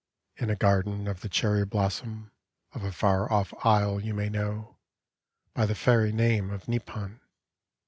In a garden of the cherry blossom Of a far off isle you may know By the fairy name of Nippon